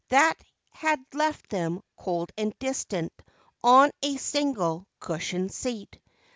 That had left them, cold and distant on a single cushioned seat.